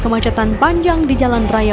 kemacetan panjang di jalan raya